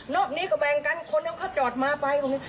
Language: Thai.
อกนี้ก็แบ่งกันคนนั้นเขาจอดมาไปตรงนี้